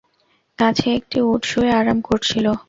কাছে একটি উট শুয়ে আরাম করছিল।